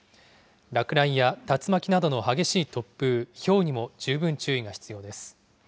落雷や竜巻などの激しい突風、ひょうにも十分注意が必要です。